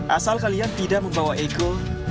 asal kalian tidak membawa ego